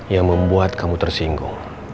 yang membuat kamu tersinggung